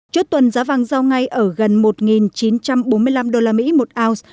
trước tuần giá vàng giao ngay ở gần một chín trăm bốn mươi năm usd một ounce